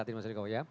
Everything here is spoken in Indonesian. tidak mas eriko ya